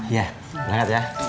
iya berangkat ya